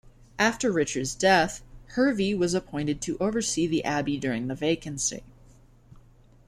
After Richard's death, Hervey was appointed to oversee the abbey during the vacancy.